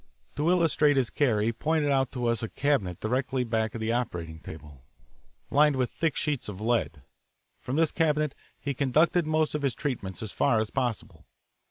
To illustrate his care he pointed out to us a cabinet directly back of the operating table, lined with thick sheets of lead. From this cabinet he conducted most of his treatments as far as possible.